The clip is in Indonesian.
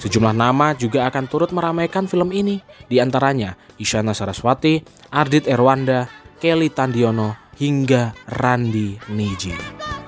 sejumlah nama juga akan turut meramaikan film ini diantaranya isyana saraswati ardit erwanda kelly tandiono hingga randi niji